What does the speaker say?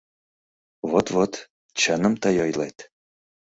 — Вот-вот, чыным тый ойлет.